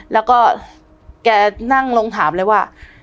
แล้วก็แกนั่งลงถามเลยว่า